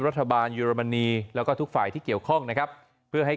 รัฐบาลเยอรมนีแล้วก็ทุกฝ่ายที่เกี่ยวข้องนะครับเพื่อให้